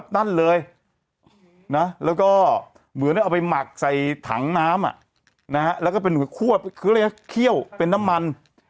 ถังน้ำอ่ะนะฮะแล้วก็เป็นหัวขวดคืออะไรนะเขี้ยวเป็นน้ำมัน